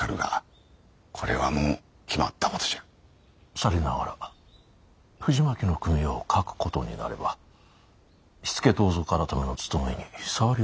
さりながら藤巻の組を欠くことになれば火付盗賊改の務めに障りが出ましょう。